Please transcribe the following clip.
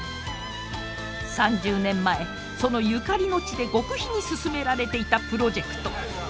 ３０年前そのゆかりの地で極秘に進められていたプロジェクト。